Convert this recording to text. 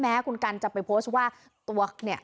แม้คุณกัณฑ์จะไปโพสต์ว่า